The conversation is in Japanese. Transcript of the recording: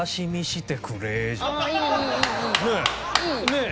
ねえ。